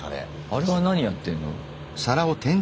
あれは何やってんの？